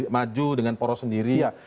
maju dengan poros sendiri